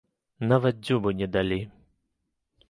Нават дзюбу не далі.